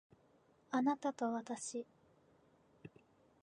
あなたとわたし